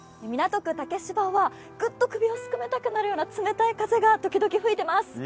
港区竹芝はぐっと首をすくめてくなるような冷たい風が吹いています。